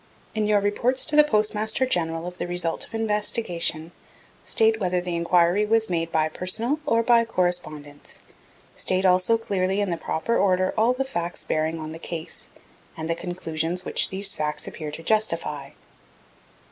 In your reports to the Postmaster General of the result of an investigation, state whether the enquiry made was personal or by correspondence. State also clearly in the proper order all the facts bearing on the case, and the conclusions which these facts appear to justify.